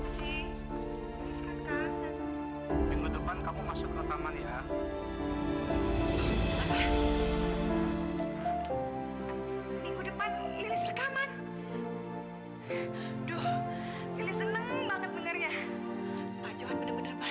sampai jumpa di video selanjutnya